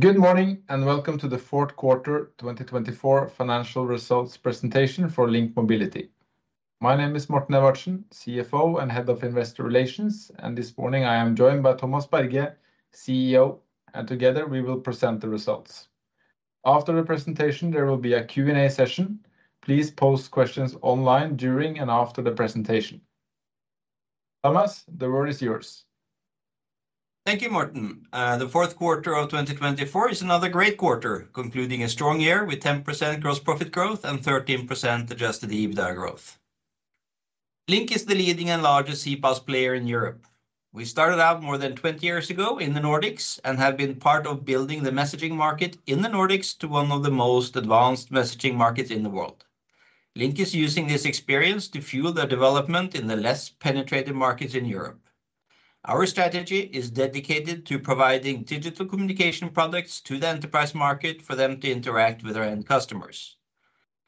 Good morning and welcome to the Fourth Quarter 2024 Financial Results presentation for LINK Mobility. My name is Morten Edvardsen, CFO and Head of Investor Relations, and this morning I am joined by Thomas Berge, CEO, and together we will present the results. After the presentation, there will be a Q and A session. Please post questions online during and after the presentation. Thomas, the word is yours. Thank you, Morten. The fourth quarter of 2024 is another great quarter concluding a strong year with 10% gross profit growth and 13% adjusted EBITDA growth. LINK is the leading and largest CPaaS player in Europe. We started out more than 20 years ago in the Nordics and have been part of building the messaging market in the Nordics to one of the most advanced messaging markets in the world. LINK is using this experience to fuel their development in the less penetrated markets in Europe. Our strategy is dedicated to providing digital communication products to the enterprise market for them to interact with their end customers.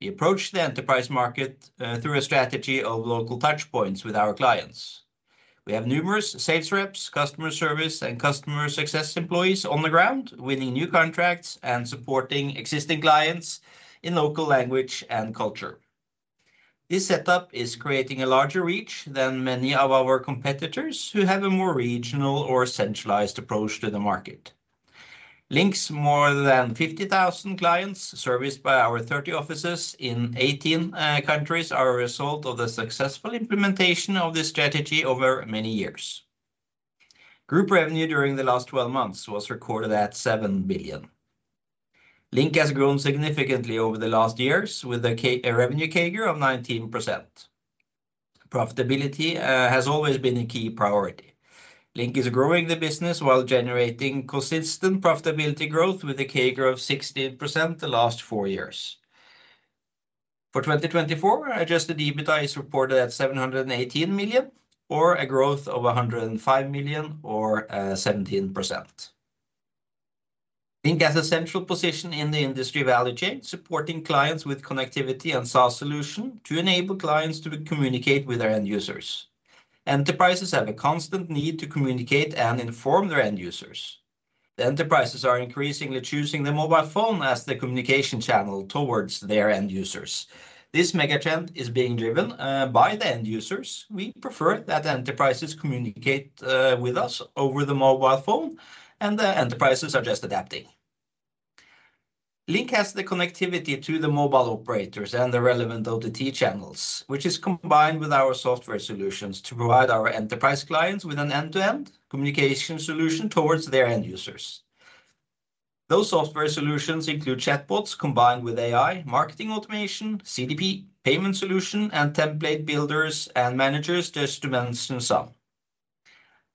We approach the enterprise market through a strategy of local touch points with our clients. We have numerous sales reps, customer service and customer success employees on the ground, winning new contracts and supporting existing clients in local language and culture. This setup is creating a larger reach than many of our competitors who have a more regional or centralized approach to the market. LINK's more than 50,000 clients serviced by our 30 offices in 18 countries are a result of the successful implementation of this strategy over many years. Group revenue during the last 12 months was recorded at 7 billion. LINK has grown significantly over the last years with a revenue CAGR of 19%. Profitability has always been a key priority. LINK is growing the business while generating consistent profitability growth with a CAGR of 16% the last four years. For 2024 adjusted EBITDA is reported at 718 million or a growth of 105 million or 17%. LINK has a central position in the industry value chain supporting clients with connectivity and SaaS solution to enable clients to communicate with their end users. Enterprises have a constant need to communicate and inform their end users. The enterprises are increasingly choosing the mobile phone as the communication channel towards their end users. This megatrend is being driven by the end users. We prefer that enterprises communicate with us over the mobile phone and the enterprises are just adapting. LINK has the connectivity to the mobile operators and the relevant OTT channels which is combined with our software solutions to provide our enterprise clients with an end-to-end communication solution towards their end users. Those software solutions include chatbots combined with AI marketing automation, CDP payment solution and template builders and managers, just to mention some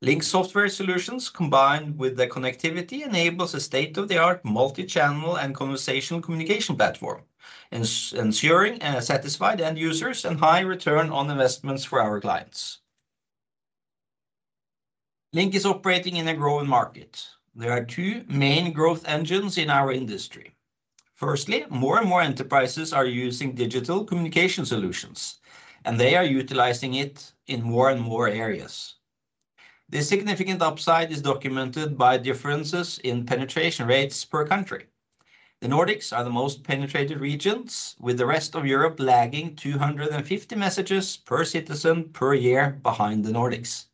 LINK software solutions combined with the connectivity enables a state-of-the-art multi-channel and conversational communication platform ensuring satisfied end users and high return on investments for our clients. LINK is operating in a growing market. There are two main growth engines in our industry. Firstly, more and more enterprises are using digital communication solutions and they are utilizing it in more and more areas. This significant upside is documented by differences in penetration rates per country. The Nordics are the most penetrated regions with the rest of Europe lagging 250 messages per citizen per year behind the Nordics.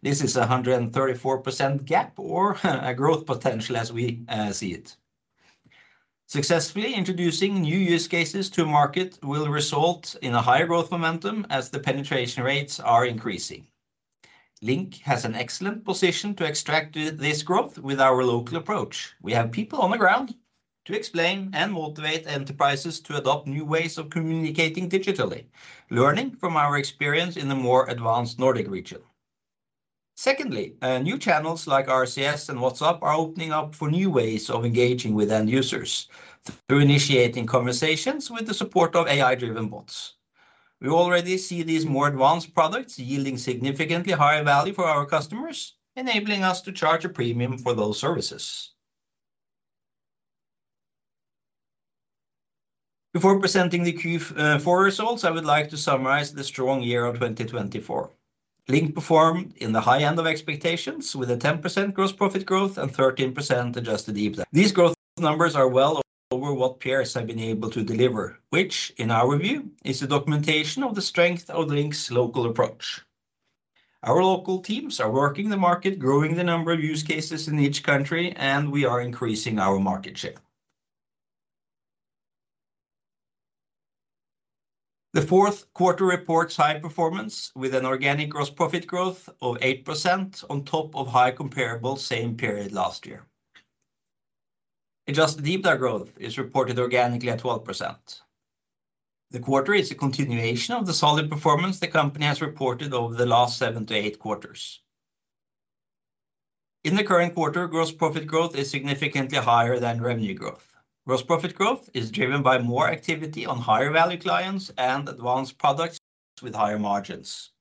This is 134% gap or a growth potential as we see it. Successfully introducing new use cases to market will result in a higher growth momentum as the penetration rates are increasing. LINK has an excellent position to extract this growth with our local approach. We have people on the ground to explain and motivate enterprises to adopt new ways of communicating digitally, learning from our experience in the more advanced Nordic region. Secondly, new channels like RCS and WhatsApp are opening up for new ways of engaging with end users through initiating conversations with the support of AI driven bots. We already see these more advanced products yielding significantly higher value for our customers, enabling us to charge a premium for those services. Before presenting the Q4 results, I would like to summarize the strong year of 2024 LINK performed in the high end of expectations with a 10% gross profit growth and 13% adjusted EBITDA. These growth numbers are well over what peers have been able to deliver, which in our view is a documentation of the strength of the LINK's local approach. Our local teams are working the market, growing the number of use cases in each country and we are increasing our market share. The fourth quarter reports high performance with an organic gross profit growth of 8% on top of high comparable same period last year. Adjusted EBITDA growth is reported organically at 12%. The quarter is a continuation of the solid performance the company has reported over the last seven to eight quarters. In the current quarter, gross profit growth is significantly higher than revenue growth. Gross profit growth is driven by more activity on higher value clients and advanced products with higher margins.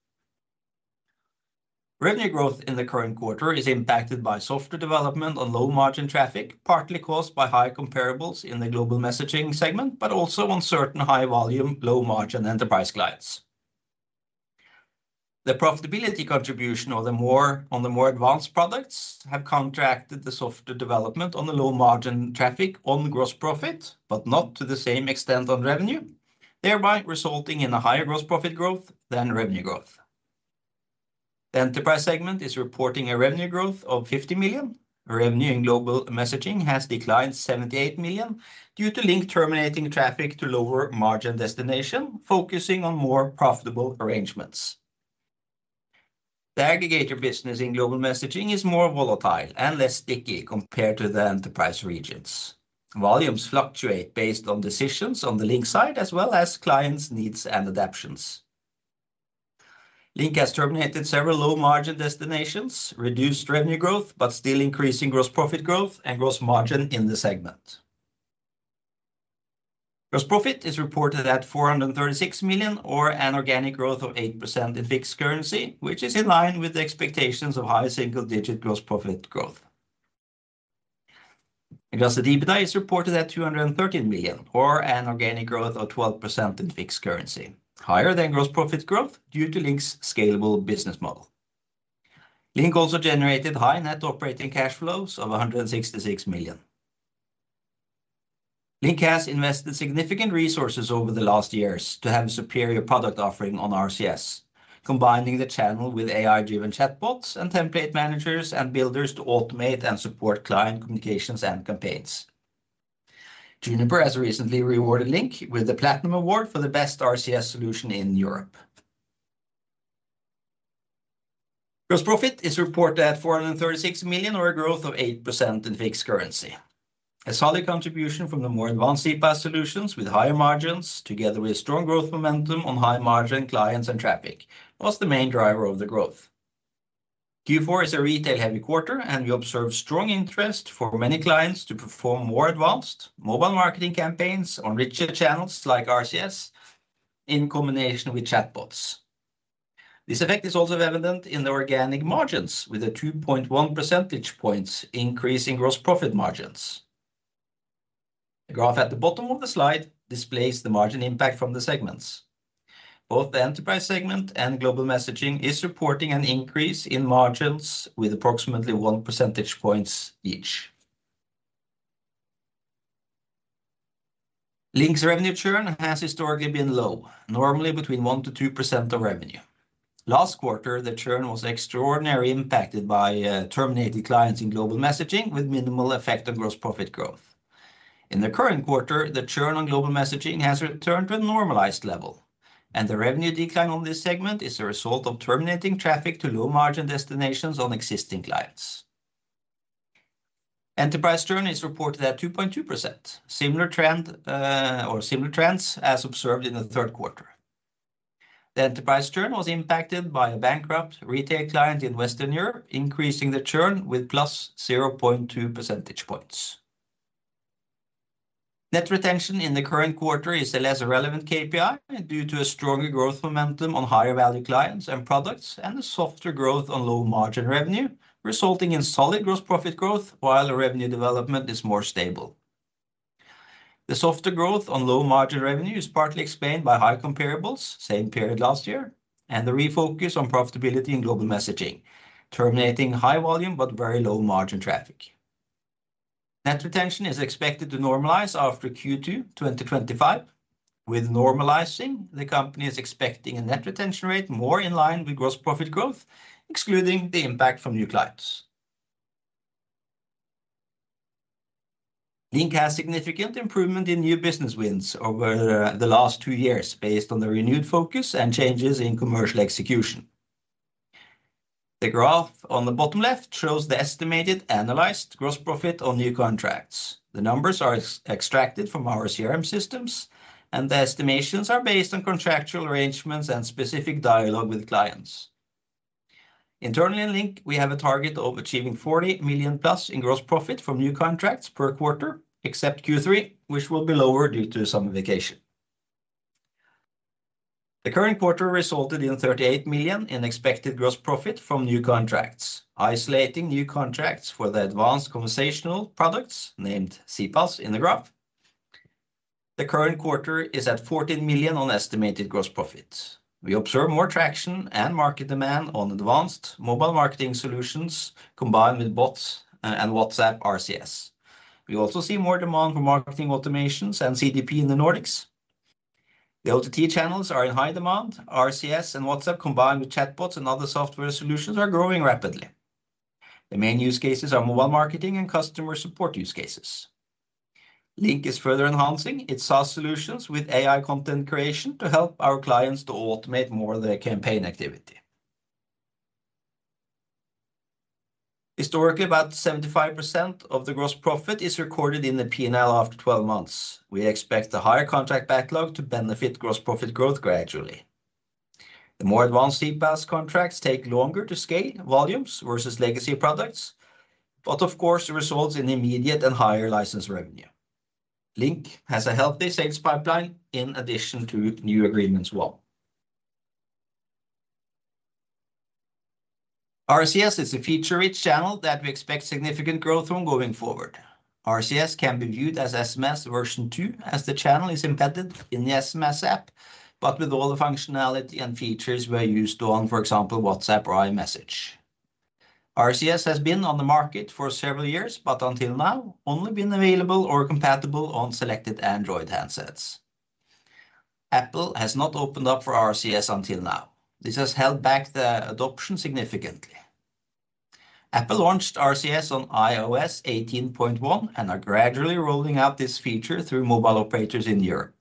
Revenue growth in the current quarter is impacted by software development on low margin traffic, partly caused by high comparables in the global messaging segment but also on certain high volume low margin enterprise clients. The profitability contribution on the more advanced products have contracted the softer development on the low margin traffic on gross profit but not to the same extent on revenue, thereby resulting in a higher gross profit growth than revenue growth. The enterprise segment is reporting a revenue growth of 50 million. Revenue in global messaging has declined 78 million due to LINK terminating traffic to lower margin destination focusing on more profitable arrangements. The aggregator business in global messaging is more volatile and less sticky compared to the enterprise regions. Volumes fluctuate based on decisions on the LINK side as well as clients' needs and adaptations. LINK has terminated several low-margin destinations, reduced revenue growth but still increasing gross profit growth and gross margin in the segment. Gross profit is reported at 436 million or an organic growth of 8% in fixed currency which is in line with expectations of high single digit gross profit growth. Adjusted EBITDA is reported at 213 million or an organic growth of 12% in fixed currency higher than gross profit growth due to LINK's scalable business model. LINK also generated high net operating cash flows of 166 million. LINK has invested significant resources over the last years to have a superior product offering on RCS, combining the channel with AI-driven chatbots and template managers and builders to automate and support client communications and campaigns. Juniper Research has recently rewarded LINK with the Platinum Award for the best RCS solution in Europe. Gross profit is reported at 436 million or a growth of 8% in fixed currency. A solid contribution from the more advanced CPaaS solutions with higher margins together with strong growth momentum on high margin clients and traffic was the main driver of the growth. Q4 is a retail heavy quarter and we observed strong interest for many clients to perform more advanced mobile marketing campaigns on richer channels like RCS in combination with chatbots. This effect is also evident in the organic margins with a 2.1 percentage points increase in gross profit margins. The graph at the bottom of the slide displays the margin impact from the segments. Both the enterprise segment and Global Messaging is reporting an increase in margins with approximately one percentage points each. LINK's revenue churn has historically been low, normally between 1%-2% of revenue. Last quarter the churn was extraordinarily impacted by termination declines in global messaging with minimal effect on gross profit growth. In the current quarter the churn on global messaging has returned to a normalized level and the revenue decline on this segment is a result of terminating traffic to low margin destinations on existing clients. Enterprise churn is reported at 2.2%, similar trend or similar trends as observed in the third quarter. The enterprise churn was impacted by a bankrupt retail client in Western Europe, increasing the churn with +0.2 percentage points. Net retention in the current quarter is a less relevant KPI due to a stronger growth momentum on higher value clients and products and a softer growth on low margin revenue resulting in solid gross profit growth while the revenue development is more stable. The softer growth on low margin revenue is partly explained by high comparables same period last year and the refocus on profitability and global messaging terminating high volume but very low margin traffic. Net retention is expected to normalize after Q2 2025. With normalizing, the company is expecting a net retention rate more in line with gross profit growth. Excluding the impact from new clients. LINK has significant improvement in new business wins over the last two years based on the renewed focus and changes in commercial execution. The graph on the bottom left shows the estimated analyzed gross profit on new contracts. The numbers are extracted from our CRM systems and the estimations are based on contractual arrangements and specific dialogue with clients. Internally in LINK we have a target of achieving 40 million plus in gross profit from new contracts per quarter except Q3 which will be lower due to some vacation. The current quarter resulted in 38 million in expected gross profit from new contracts isolating new contracts for the advanced conversational products named CPaaS in the graph. The current quarter is at 14 million on estimated gross profit. We observe more traction and market demand on advanced mobile marketing solutions combined with bots and WhatsApp RCS. We also see more demand for marketing automations and CDP in the Nordics. The OTT channels are in high demand. RCS and WhatsApp combined with chatbots and other software solutions are growing rapidly. The main use cases are mobile marketing and customer support use cases. LINK is further enhancing its SaaS solutions with AI content creation to help our clients to automate more of their campaign activities. Historically about 75% of the gross profit is recorded in the P&L. After 12 months we expect the higher contract backlog to benefit gross profit growth gradually. The more advanced CPaaS contracts take longer to scale volumes versus legacy products, but of course results in immediate and higher license revenue. LINK has a healthy sales pipeline in addition to new agreements. Well. RCS is a feature rich channel that we expect significant growth from going forward. RCS can be viewed as SMS version 2 as the channel is embedded in the SMS app but with all the functionality and features we are used to. For example, WhatsApp or iMessage. RCS has been on the market for several years but until now has only been available or compatible on selected Android handsets. Apple has not opened up for RCS until now. This has held back the adoption significantly. Apple launched RCS on iOS 18.1 and is gradually rolling out this feature through mobile operators in Europe.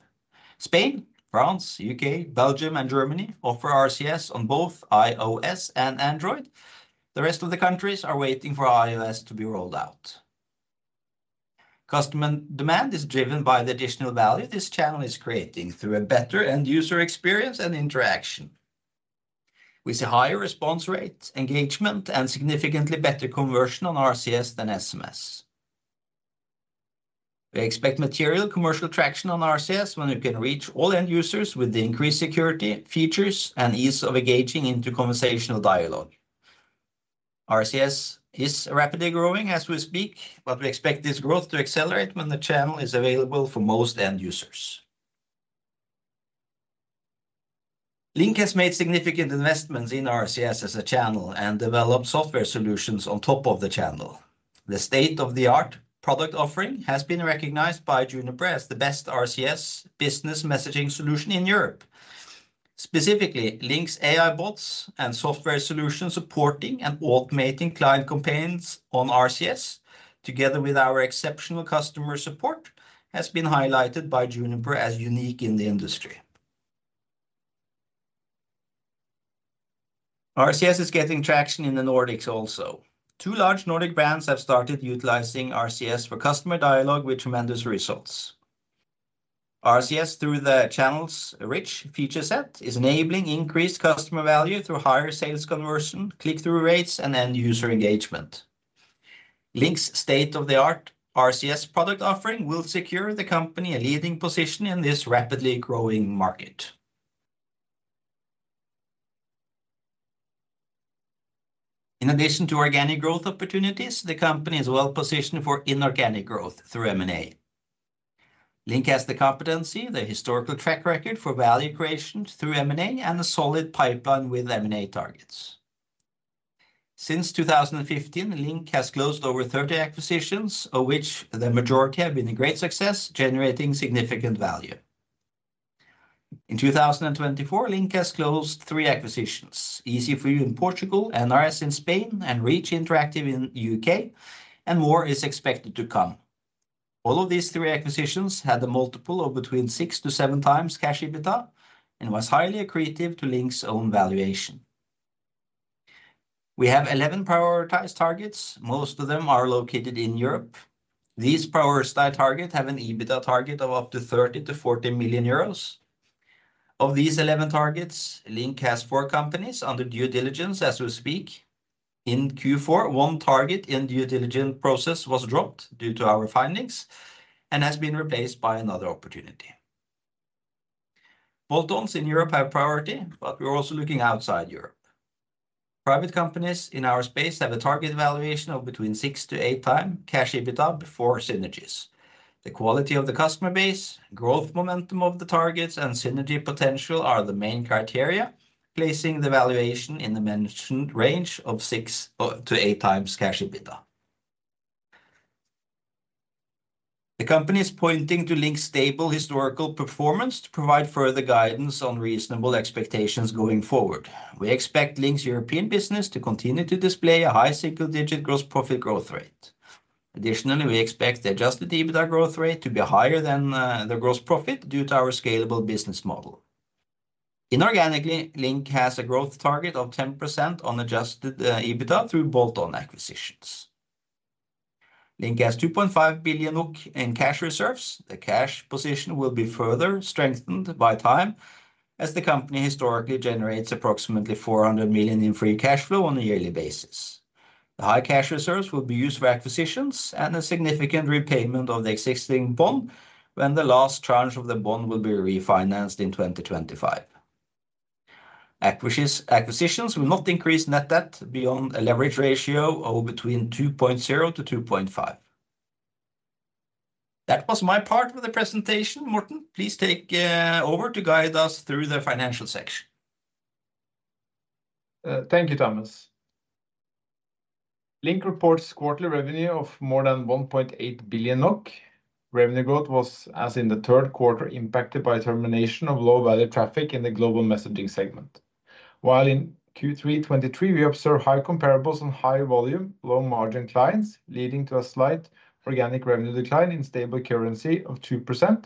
Spain, France, UK, Belgium, and Germany offer RCS on both iOS and Android. The rest of the countries are waiting for iOS to be rolled out. Customer demand is driven by the additional value this channel is creating through a better end user experience and interaction with a higher response rate engagement and significantly better conversion on RCS than SMS. We expect material commercial traction on RCS when you can reach all end users with the increased security features and ease of engaging into conversational dialogue. RCS is rapidly growing as we speak, but we expect this growth to accelerate when the channel is available for most end users. LINK has made significant investments in RCS as a channel and developed software solutions on top of the channel. The state-of-the-art product offering has been recognized by Juniper as the best RCS business messaging solution in Europe. Specifically LINK AI bots and software solutions supporting and automating client campaigns on RCS together with our exceptional customer support has been highlighted by Juniper as unique in the industry. RCS is getting traction in the Nordics also. Two large Nordic brands have started utilizing RCS for customer dialogue with tremendous results. RCS through the channel's rich feature set is enabling increased customer value through higher sales conversion, click through rates and end user engagement. LINK's state of the art RCS product offering will secure the company a leading position in this rapidly growing market. In addition to organic growth opportunities, the company is well positioned for inorganic growth through M&A. LINK has the competency, the historical track record for value creation through M&A and a solid pipeline with M&A targets. Since 2015, LINK has closed over 30 acquisitions of which the majority have been in great success generating significant value. In 2024 LINK has closed three acquisitions, EZ4U in Portugal, NRS in Spain, and Reach Interactive in UK and more is expected to come. All of these three acquisitions had a multiple of between six to seven times cash EBITDA and was highly accretive to LINK's own valuation. We have 11 prioritized targets, most of them are located in Europe. These prioritized targets have an EBITDA target of up to 30-40 million euros. Of these 11 targets, LINK has four companies under due diligence as we speak in Q4. One target in due diligence process was dropped due to our findings and has been replaced by another opportunity. Bolt-ons in Europe have priority, but we're also looking outside Europe. Private companies in our space have a target valuation of between 6-8 times cash EBITDA before synergies. The quality of the customer base, growth momentum of the targets and synergy potential are the main criteria placing the valuation in the mentioned range of 6-8 times cash EBITDA. The company is pointing to LINK's stable historical performance to provide further guidance on reasonable expectations. Going forward, we expect LINK's European business to continue to display a high single digit gross profit growth rate. Additionally, we expect the adjusted EBITDA growth rate to be higher than the gross profit due to our scalable business model. Inorganically, LINK has a growth target of 10% on adjusted EBITDA. Through bolt-on acquisitions. LINK has 2.5 billion in cash reserves. The cash position will be further strengthened over time as the company historically generates approximately $400 million in free cash flow on a yearly basis. The high cash reserves will be used for acquisitions and a significant repayment of the existing bond when the last tranche of the bond will be refinanced in 2025. Acquisitions will not increase net debt beyond a leverage ratio of between 2.0-2.5. That was my part of the presentation. Morten, please take over to guide us through the financial section. Thank you, Thomas. LINK reports quarterly revenue of more than 1.8 billion NOK. Revenue growth was, as in the third quarter, impacted by termination of low value traffic in the global messaging segment, while in Q3 2023 we observe high comparables on high volume low margin clients leading to a slight organic revenue decline in stable currency of 2%,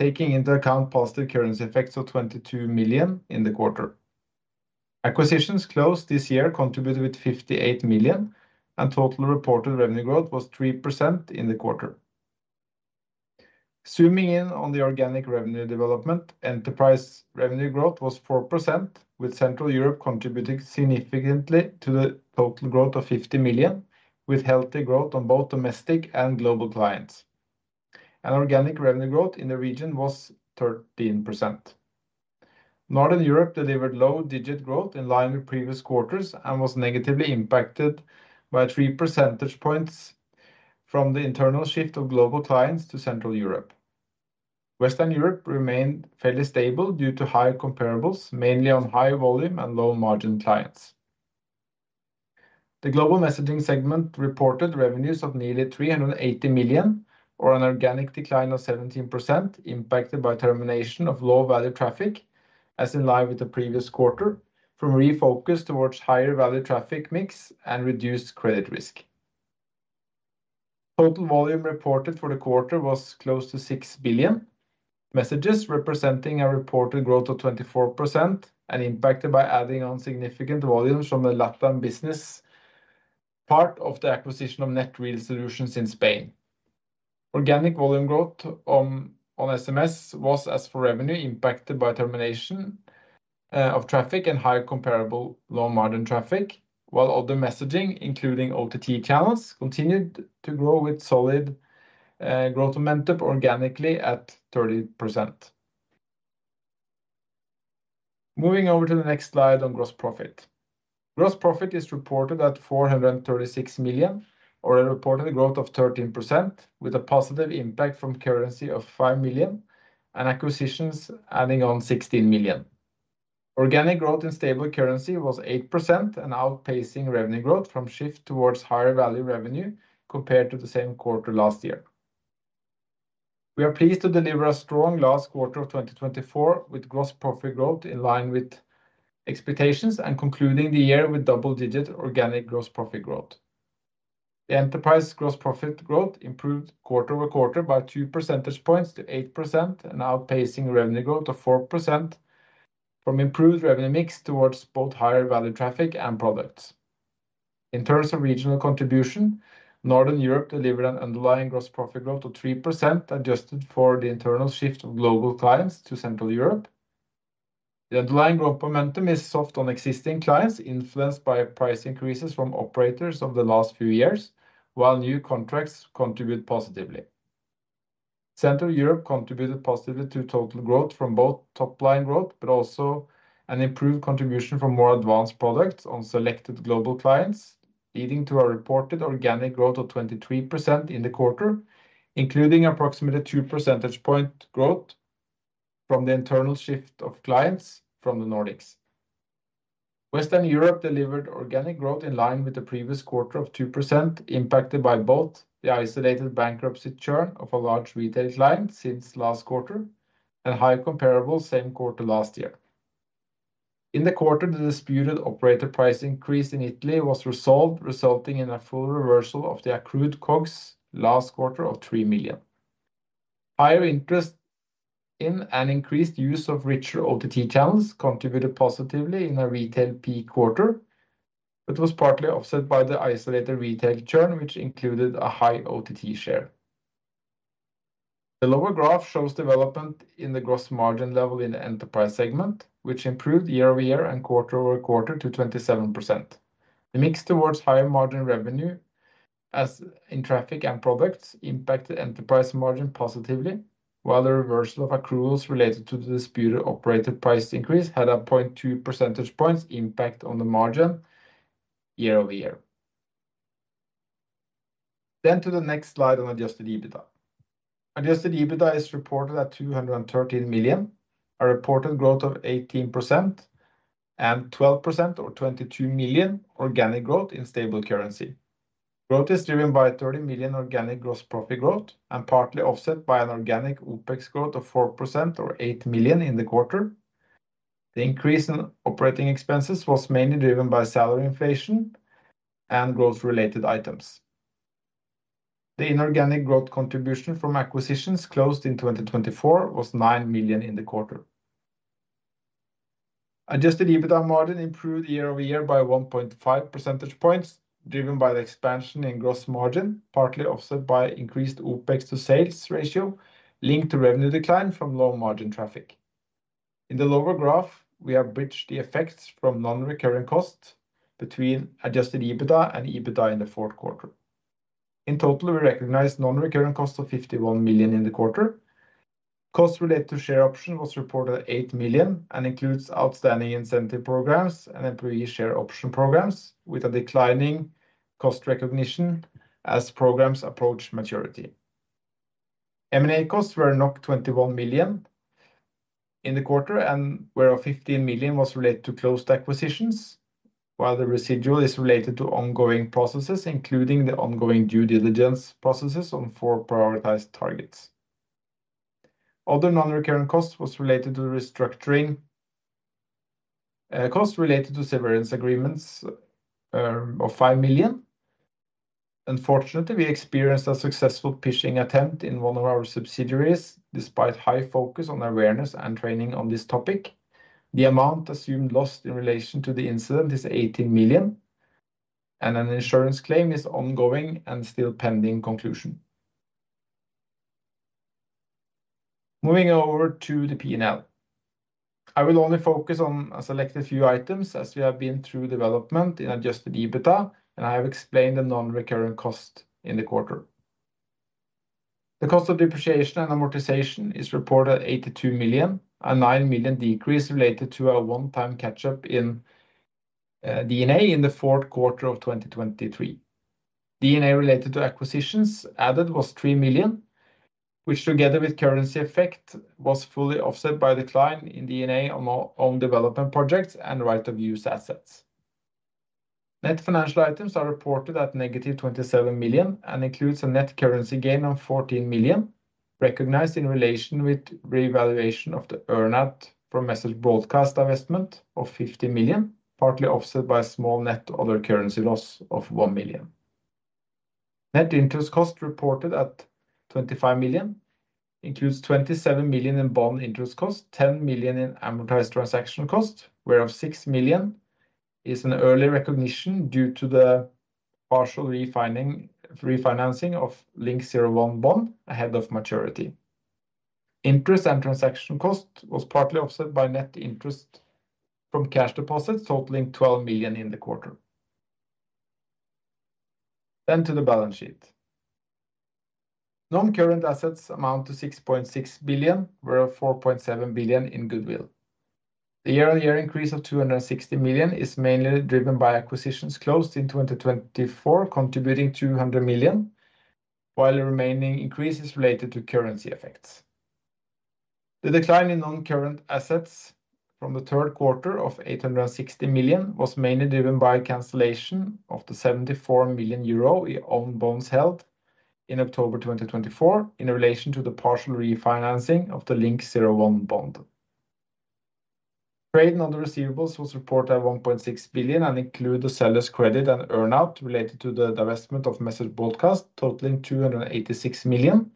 taking into account positive currency effects of 22 million NOK in the quarter. Acquisitions closed this year contributed with 58 million NOK and total reported revenue growth was 3% in the quarter. Zooming in on the organic revenue development, enterprise revenue growth was 4% with Central Europe contributing significantly to the total growth of 50 million with healthy growth on both domestic and global clients, and organic revenue growth in the region was 13%. Northern Europe delivered low digit growth in line with previous quarters and was negatively impacted by 3 percentage points from the internal shift of global clients to Central Europe. Western Europe remained fairly stable due to higher comparables mainly on high volume and low margin clients. The global messaging segment reported revenues of nearly 380 million or an organic decline of 17% impacted by termination of low value traffic as in line with the previous quarter from refocus towards higher value traffic mix and reduced credit risk. Total volume reported for the quarter was close to 6 billion messages representing a reported growth of 24% and impacted by adding on significant volumes from the Latvian business part of the acquisition of Net Real Solutions in Spain. Organic volume growth on SMS was as for revenue impacted by termination of traffic and high comparable low-margin traffic while other messaging including OTT channels continued to grow with solid growth momentum organically at 30%. Moving over to the next slide on gross profit. Gross profit is reported at 436 million, already reported a growth of 13% with a positive impact from currency of 5 million and acquisitions adding on 16 million. Organic growth in stable currency was 8% and outpacing revenue growth from shift towards higher value revenue compared to the same quarter last year. We are pleased to deliver a strong last quarter of 2024 with gross profit growth in line with expectations and concluding the year with double digit organic gross profit growth. The enterprise gross profit growth improved quarter over quarter by 2 percentage points to 8% and outpacing revenue growth of 4% from improved revenue mix towards both higher value traffic and products. In terms of regional contribution, Northern Europe delivered an underlying gross profit growth of 3% adjusted for the internal shift of global clients to Central Europe. The underlying growth momentum is soft on existing clients influenced by price increases from operators over the last few years. While new contracts contribute positively. Central Europe contributed positively to total growth from both top line growth but also an improved contribution from more advanced products on selected global clients leading to a reported organic growth of 23% in the quarter including approximately 2 percentage point growth from the internal shift of clients from the Nordics. Western Europe delivered organic growth in line with the previous quarter of 2%, impacted by both the isolated bankruptcy churn of a large retail client since last quarter and high comparable same quarter last year. In the quarter the disputed operator price increase in Italy was resolved resulting in a full reversal of the accrued COGS last quarter of 3 million. Higher interest in an increased use of richer OTT channels contributed positively in a retail peak quarter but was partly offset by the isolated retail churn which included a high OTT share. The lower graph shows development in the gross margin level in the enterprise segment which improved year over year and quarter over quarter to 27%. The mix towards higher margin revenue in traffic and products impacted enterprise margin positively while the reversal of accruals related to the disputed operator price increase had a 0.2 percentage points impact on the margin year over year. Then to the next slide on Adjusted EBITDA. Adjusted EBITDA is reported at 213 million NOK, a reported growth of 18% and 12% or 22 million NOK. Organic growth in stable currency growth is driven by 30 million NOK organic gross profit growth and partly offset by an organic OpEx growth of 4% or 8 million NOK in the quarter. The increase in operating expenses was mainly driven by salary inflation and growth related items. The inorganic growth contribution from acquisitions closed in 2024 was 9 million NOK in the quarter. Adjusted EBITDA margin improved year over year by 1.5 percentage points driven by the expansion in gross margin partly offset by increased OpEx to sales ratio LINKed to revenue decline from low margin traffic. In the lower graph we have bridged the effects from non-recurring costs between adjusted EBITDA and EBITDA in the fourth quarter. In total we recognize non-recurring cost of 51 million in the quarter. Cost related to share option was reported at 8 million and includes outstanding incentive programs and employee share option programs with a declining cost recognition as programs approach maturity. M&A costs were 21 million in the quarter and whereof 15 million was related to closed acquisitions. While the residual is related to ongoing processes including the ongoing due diligence processes on four prioritized targets. Other non-recurring costs was related to restructuring. Costs related to severance agreements of 5 million. Unfortunately we experienced a successful phishing attempt in one of our subsidiaries despite high focus on awareness and training on this topic. The amount assumed lost in relation to the incident is 18 million and an insurance claim is ongoing and still pending. Conclusion. Moving over to the P&L, I will only focus on a selected few items as we have been through development in adjusted EBITDA and I have explained the non-recurring cost in the quarter. The cost of depreciation and amortization is reported 82 million, a nine million decrease related to a one-time catch-up in D&A in the fourth quarter of 2023. D&A related to acquisitions added was 3 million which together with currency effect was fully offset by decline in D&A on development projects and right-of-use assets. Net financial items are reported at negative 27 million and includes a net currency gain of 14 million recognized in relation with revaluation of the earn out from Message Broadcast divestment of 50 million partly offset by a small net other currency loss of 1 million. Net interest cost reported at 25 million includes 27 million in bond interest cost, 10 million in amortized transaction cost whereof 6 million is an early recognition due to the partial refinancing of LINK01 bond ahead of maturity. Interest and transaction cost was partly offset by net interest from cash deposits totaling 12 million in the quarter. Then to the balance sheet. Non-current assets amount to 6.6 billion of 4.7 billion in goodwill. The year-on-year increase of 260 million is mainly driven by acquisitions closed in 2024 contributing 200 million while the remaining increase is related to currency effects. The decline in non-current assets from the third quarter of 860 million was mainly driven by cancellation of the 74 million Euro own bonds held in October 2024 in relation to the partial refinancing of the LINK01 bond. Non-trade receivables was reported at 1.6 billion and includes the seller's credit and earnout related to the divestment of Message Broadcast totaling 286 million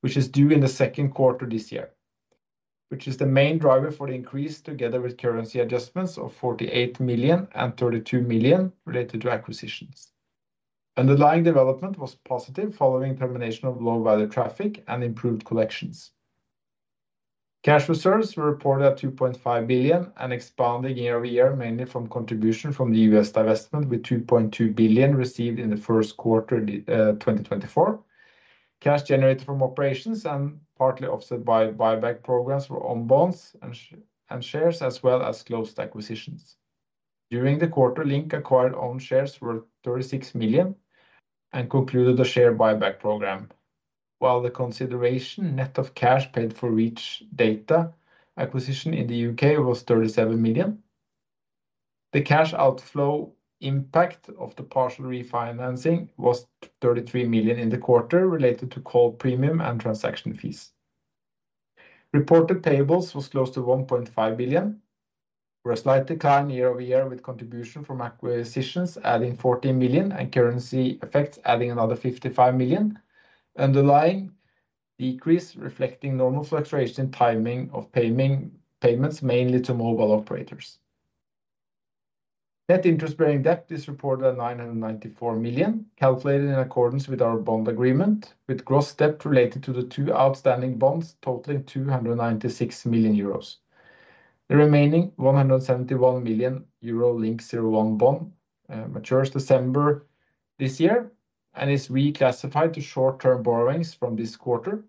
which is due in the second quarter this year which is the main driver for the increase. Together with currency adjustments of 48 million and 32 million related to acquisitions. Underlying development was positive following termination of low value traffic and improved collections. Cash reserves were reported at 2.5 billion and expanding year over year mainly from contribution from the US divestment with 2.2 billion received in the first quarter 2024. Cash generated from operations and partly offset by buyback programs were on bonds and shares as well as closed acquisitions during the quarter. LINK acquired own shares worth 36 million and concluded a share buyback program while the consideration net of cash paid for Reach Interactive acquisition in the UK was 37 million. The cash outflow impact of the partial refinancing was 33 million in the quarter related to call premium and transaction fees. Reported payables was close to 1.5 billion for a slight decline year over year with contribution from acquisitions adding 14 million and currency effects adding another 55 million. Underlying decrease reflecting normal fluctuation timing of payments mainly to mobile operators. Net interest bearing debt is reported at 994 million NOK calculated in accordance with our bond agreement with gross debt related to the two outstanding bonds totaling 296 million euros. The remaining 171 million euro LINK01 bond matures December this year and is reclassified to short term borrowings from this quarter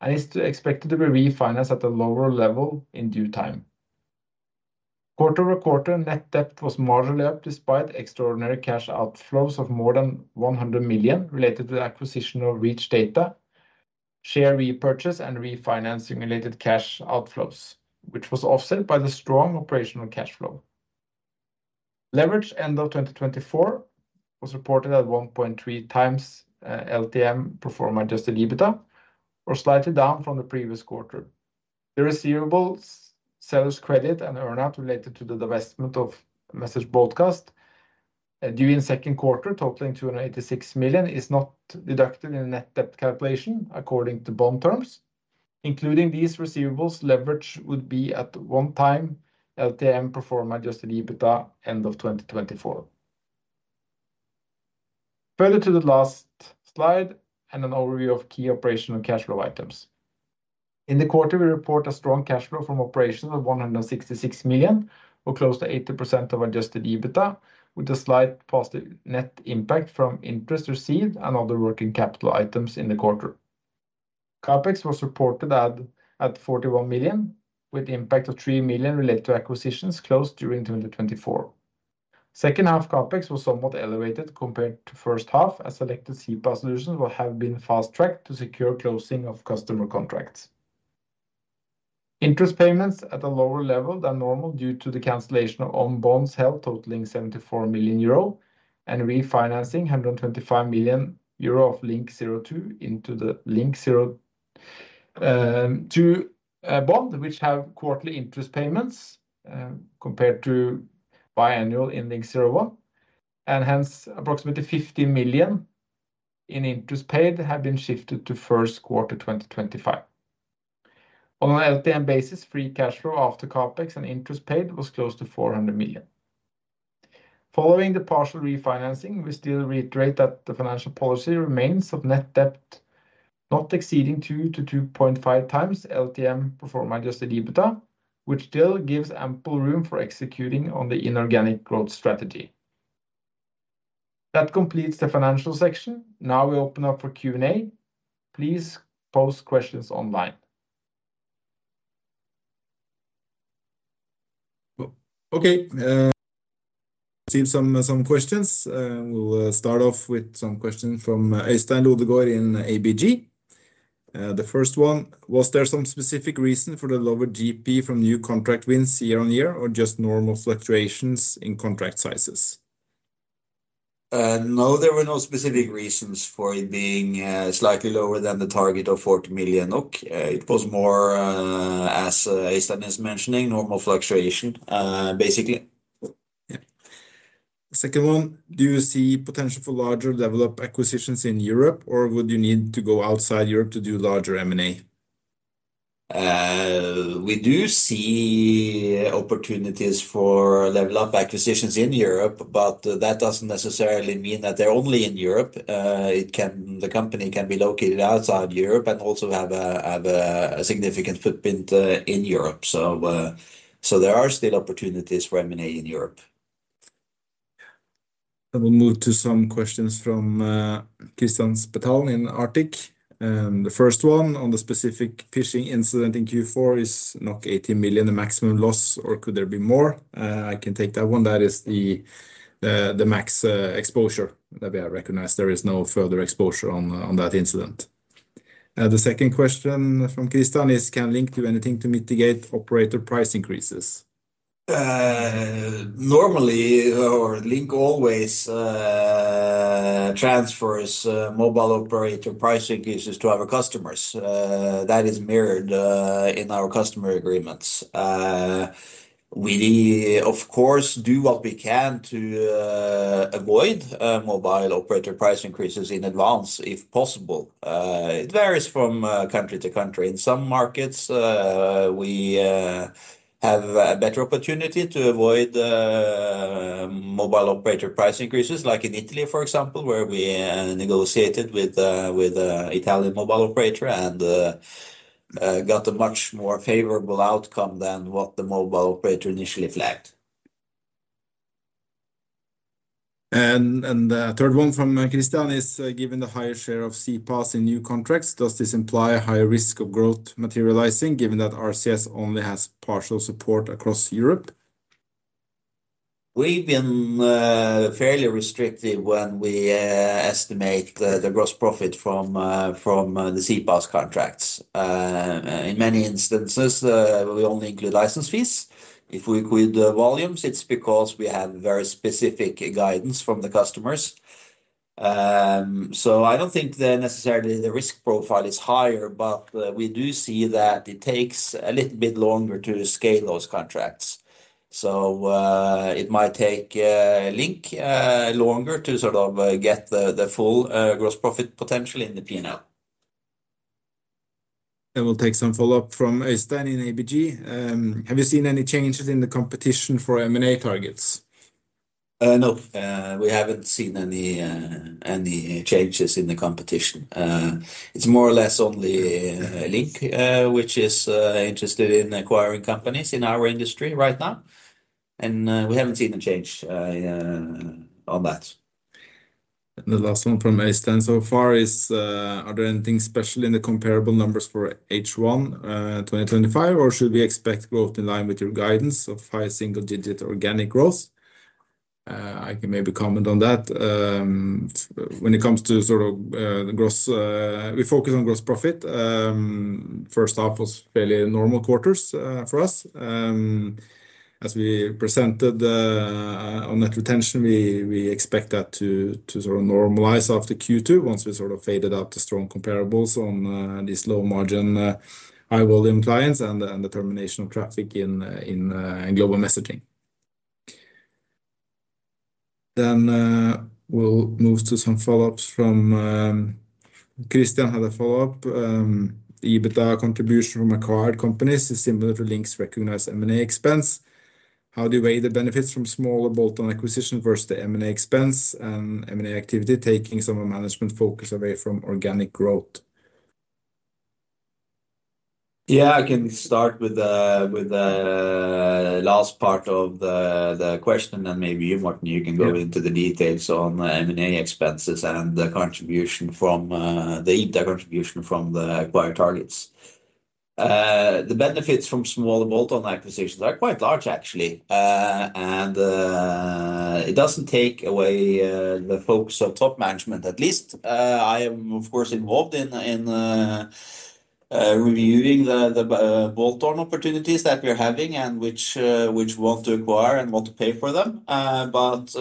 and is expected to be refinanced at a lower level in due time. Quarter over quarter net debt was marginally up despite extraordinary cash outflows of more than 100 million NOK related to the acquisition of Reach, share repurchase and refinancing related cash outflows which was offset by the strong operational cash flow. Leverage end of 2024 was reported at 1.3 times LTM pro forma Adjusted EBITDA or slightly down from the previous quarter. The receivable seller's credit and earnout related to the divestment of Message Broadcast during second quarter totaling 286 million is not deducted in net debt calculation according to bond terms including these receivables. Leverage would be at 1x LTM pro forma adjusted EBITDA end of 2024. Further to the last slide and an overview of key operational cash flow items in the quarter, we report a strong cash flow from operations of 166 million or close to 80% of Adjusted EBITDA with a slight positive net impact from interest received and other working capital items in the quarter. CapEx was reported at 41 million with the impact of 3 million related acquisitions closed during 2024. Second half CapEx was somewhat elevated compared to first half as selected CPaaS solutions will have been fast tracked to secure closing of customer contracts. Interest payments at a lower level than normal due to the cancellation of own bonds held totaling 74 million euro and refinancing 125 million euro of LINK02 into the LINK02 bond which have quarterly interest payments compared to biannual in LINK01 and hence approximately 50 million in interest paid have been shifted to first quarter 2025 on an LTM basis. Free cash flow after Capex and interest paid was close to 400 million. Following the partial refinancing. We still reiterate that the financial policy remains of net debt not exceeding 2-2.5 times LTM performance adjusted EBITDA, which still gives ample room for executing on the inorganic growth strategy. That completes the financial section. Now we open up for Q and A. Please post questions online. Okay, received some questions. We'll start off with some questions from ABG. The first one was: Was there some specific reason for the lower GP from new contract wins year on year or just normal fluctuations in contract sizes? No, there were no specific reasons for it being slightly lower than the target of 40 million NOK. It was more as Øystein is mentioning normal fluctuation basically. Second one, do you see potential for larger developed acquisitions in Europe or would you need to go outside Europe to do larger M&A? We do see opportunities for bolt-on acquisitions in Europe, but that doesn't necessarily mean that they're only in Europe. The company can be located outside Europe and also have a significant footprint in Europe. So there are still opportunities for M&A in Europe. I will move to some questions from Kristian's battalion in Arctic. The first one on the specific phishing incident in Q4 is 18 million the maximum loss or could there be more? I can take that one. That is the max exposure that we have recognized. There is no further exposure on that incident. The second question from Kristian is can LINK do anything to mitigate operator price increases. Normally or LINK always. Transfers mobile operator price increases to our customers that is mirrored in our customer agreements. We of course do what we can to avoid mobile operator price increases in advance if possible. It varies from country to country. In some markets we have a better opportunity to avoid mobile operator price increases. Like in Italy, for example, where we. Negotiated with Italian mobile operator and got a much more favorable outcome than what the mobile operator initially flagged. The third one from Christian is, given the higher share of CPaaS in new contracts, does this imply a high risk of growth materializing? Given that RCS only has partial support across Europe. We've been fairly restrictive when we estimate the gross profit from the CPaaS contracts. In many instances we only include license fees. If we include the volumes, it's because we have very specific guidance from the customers. So I don't think that necessarily the risk profile is higher, but we do. See that it takes a little bit longer to scale those contracts, so it might take LINK longer to sort of get the full gross profit. Potential in the P&L. And. We'll take some follow up from Øystein in ABG. Have you seen any changes in the competition for M&A targets? No, we haven't seen any changes in the competition. It's more or less only LINK which is interested in acquiring companies in our industry right now and we haven't seen a change on that. The last one from Øystein so far is, are there anything special in the comparable numbers for H1 2025 or should we expect growth in line with your guidance of high single digit organic growth? I can maybe comment on that. When it comes to sort of gross, we focus on gross profit. First half was fairly normal quarters for us as we presented on net retention. We expect that to sort of normalize after Q2 once we sort of faded out to strong comparables on these low margin high volume clients and the termination of traffic in global messaging. Then we'll move to some follow-ups from Kristian. He had a follow-up. The EBITDA contribution from acquired companies is similar to LINK's recognized M&A expense. How do you weigh the benefits from smaller bolt-on acquisitions versus the M&A expense and M&A activity taking some of the management focus away from organic growth? Yeah, I can start with the last part of the question and maybe you Morten, you can go into the details on M&A expenses and the contribution from the EBITDA contribution from the acquired targets. The benefits from small bolt-on acquisitions are quite large actually and it doesn't take away the focus of top management. At least I am of course involved. In in. Reviewing the bolt-on opportunities that we're having and which we want to acquire and what to pay for them. But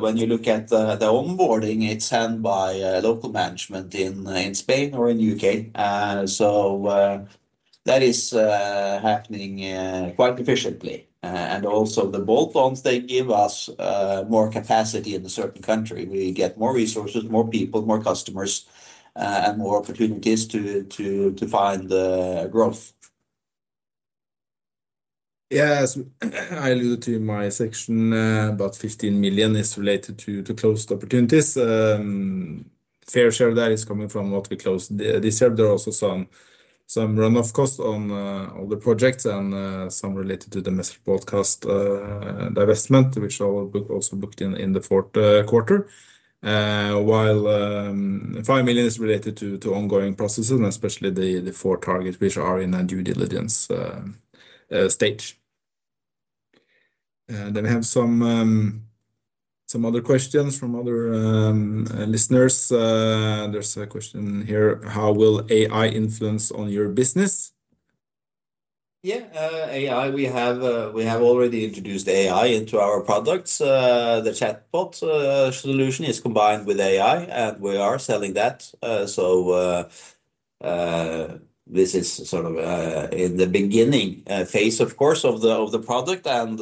when you look at the onboarding, it's handled by local management in Spain or in U.K. So that is happening quite efficiently. And also the bolt-ons, they give us more capacity in a certain country. We get more resources, more people, more customers and more opportunities to find growth. Yes, I alluded to it in my section. About 15 million is related to closed opportunities. Fair share that is coming from what we closed this year. There are also some runoff costs on all the projects and some related to the Message Broadcast divestment which I will also booked in the fourth quarter. While five million is related to ongoing processes and especially the four targets which are in a due diligence stage. Then we have some other questions from other listeners. There's a question here. How will AI influence on your business? Yeah, AI. We have already introduced AI into our products. The chatbot solution is combined with AI. We are selling that. So. This is sort of in the beginning phase of course of the. The product and.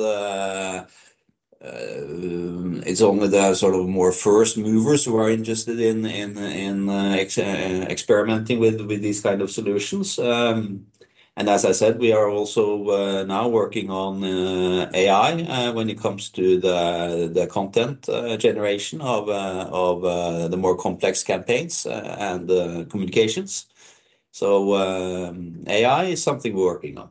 It's only the sort of more first movers who are interested in. Experimenting with these kind of solutions. As I said, we are also. Now working on AI when it comes to the content generation of the more complex campaigns and communications. So AI is something we're working on.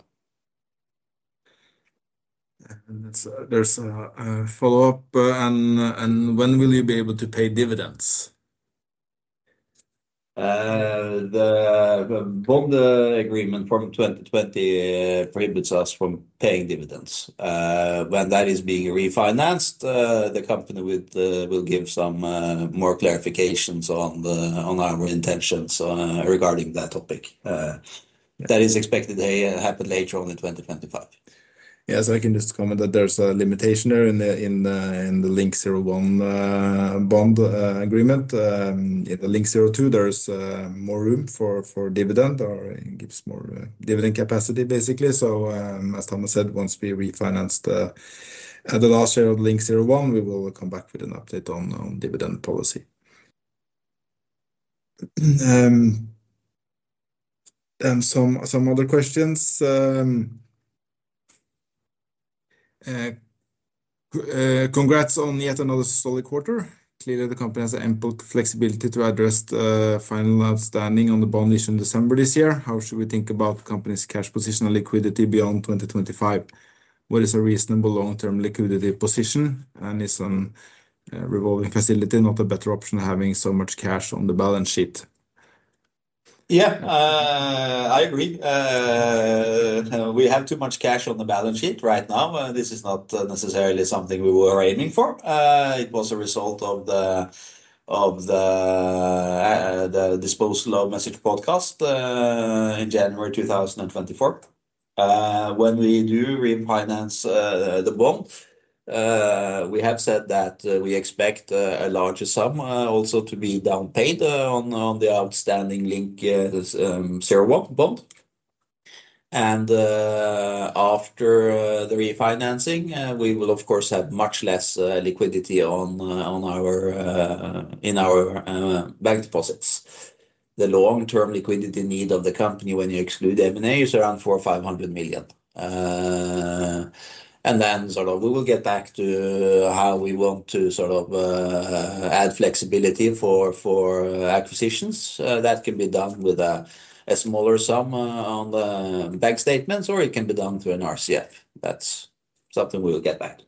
There's a follow up, and when will you be able to pay dividends? The bond agreement from 2020 prohibits us from paying dividends when that is being refinanced. The company will give some more clarifications on our intentions regarding that topic that is expected happen later on in 2025. Yes, I can just comment that there's a limitation there in the LINK01 bond agreement. The LINK02, there's more room for dividend or gives more dividend capacity basically. So as Thomas said, once we refinance the last year of LINK01 we will come back with an update on dividend policy. Some other questions. Congrats on yet another solid quarter. Clearly the company has ample flexibility to address the final outstanding on the bond issue in December this year. How should we think about the company's cash position and liquidity beyond 2025? What is a reasonable long term liquidity position? And is a revolving facility not a better option? Having so much cash on the balance sheet. Yeah, I agree. We have too much. Cash on the balance sheet right now. This is not necessarily something we were aiming for. It was a result of the. Disposal of Message Broadcast in January 2024. When we do refinance the bond we have said that we expect a larger sum also to be paid down on the outstanding LINK01 bond. And after the refinancing we will of course have much less liquidity. In our bank deposits. The long-term liquidity need of the company when you exclude M&A is around 400-500 million. We will get back to how we want to sort of add flexibility for acquisitions. That can be done with a smaller sum on the balance sheet or it can be done through an RCF. That's something we will get back.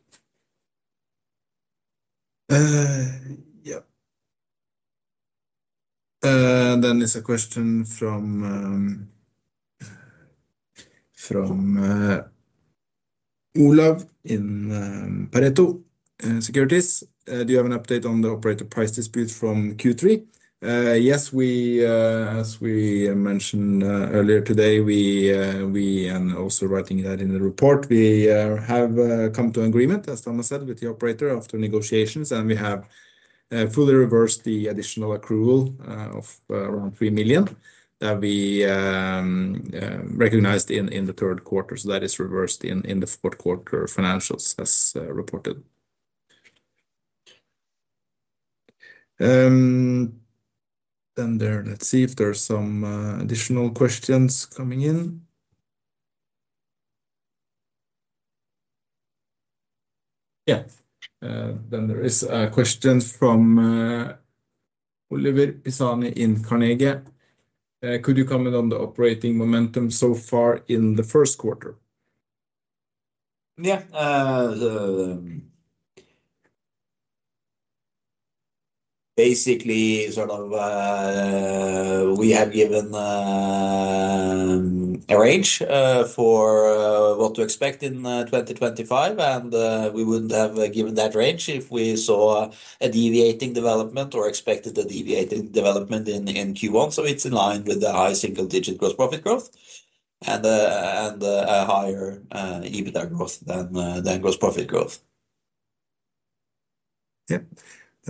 Yeah. Then it's a question from. From. Olav Rødevand from Pareto Securities. Do you have an update on the operator price dispute from Q3? Yes, as we mentioned earlier today, and also writing that in the report, we have come to agreement, as Thomas said, with the operator after negotiations, and we have fully reversed the additional accrual of around 3 million that we. Recognized in the third quarter. So that is reversed in the fourth quarter financials as reported. Let's see if there's some additional questions coming in. Yeah. Then there is a question from. Oliver Pisani in Carnegie. Could you comment on the operating momentum? So far in the first quarter? Yeah. Basically sort of we have given. A range for what to expect in 2025 and we wouldn't have given that range if we saw a deviating development or expected a deviating development in Q1. So it's in line with the high single digit gross profit growth and a higher EBITDA growth than gross profit growth. Yep.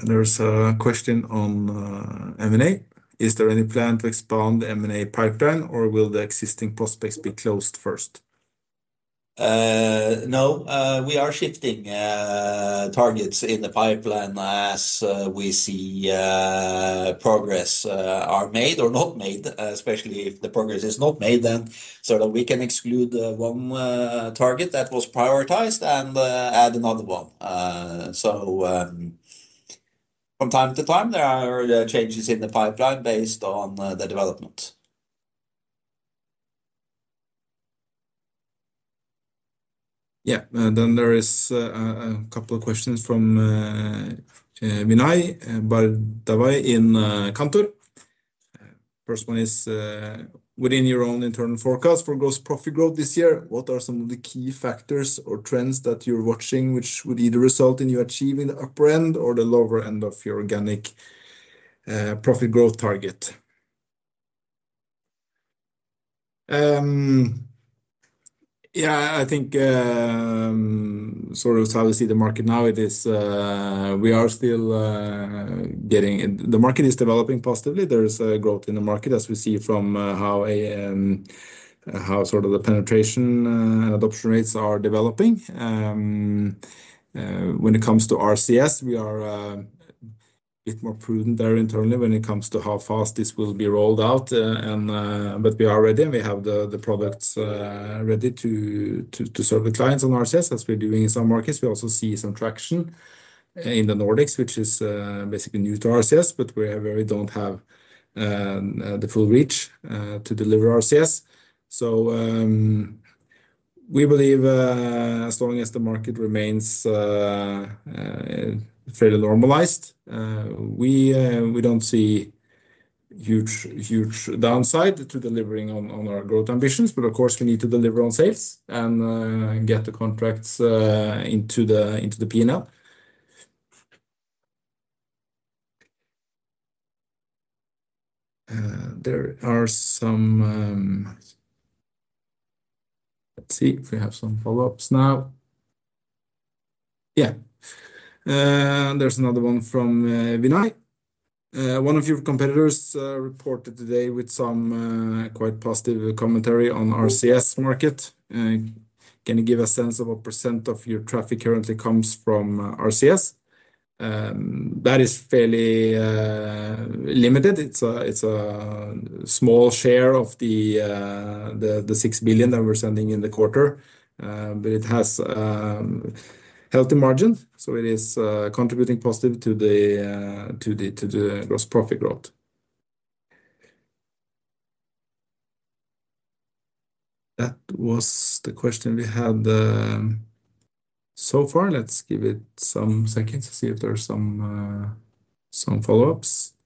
There's a question on M&A. Is there any plan to expand the M&A pipeline or will the existing prospects be closed first? No, we are shifting targets in the pipeline as we see progress are made or not made, especially if the progress is not made, then so that we can exclude one target that was prioritized and add another one. So. From time to time there are changes in the pipeline based on the development. Yeah. Then there is a couple of questions from Vinay in Cantor. First one is within your own internal forecast for gross profit growth this year, what are some of the key factors or trends that you're watching which would either result in you achieving the upper end or the lower end of your organic profit growth target? Yeah, I think. Sort of sadly, the market now it is, we are still getting. The market is developing positively. There's a growth in the market as we see from how sort of the penetration and adoption rates are developing. When it comes to RCS, we are a bit more prudent there internally when it comes to how fast this will be rolled out, but we are ready and we have the products ready to serve the clients on RCS as we're doing in some markets. We also see some traction in the Nordics, which is basically new to RCS, but we don't have the full reach to deliver RCS, so. We believe as long as the market remains. Fairly normalized, we don't see huge downside to delivering on our growth ambitions. But of course we need to deliver on sales and get the contracts into the P and L. There are some. See if we have some follow ups now. Yeah, there's another one from Vinay, one of your competitors reported today with some quite positive commentary on RCS market. Can you give a sense of what percent of your traffic currently comes from RCS? That is fairly limited. It's a small share of the 6 billion that we're sending in the quarter but it has healthy margin. So it is contributing positive to the gross profit growth. That was the question we had. So far. Let's give it some seconds to see if there are some follow ups.